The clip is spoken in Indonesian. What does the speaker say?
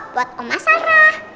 buat omah sarah